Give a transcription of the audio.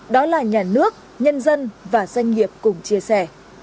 đó là nhà nước nhân dân và doanh nghiệp cùng chia sẻ